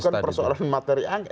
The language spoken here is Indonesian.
bukan persoalan materi angket